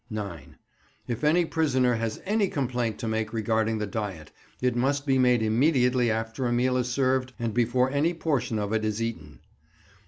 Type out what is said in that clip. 9. If any prisoner has any complaint to make regarding the diet, it must be made immediately after a meal is served and before any portion of it is eaten.